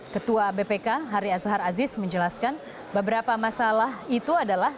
ketua bpk hari azhar aziz menjelaskan beberapa masalah itu adalah